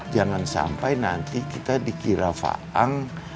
jangan sampai nanti kita dikira faang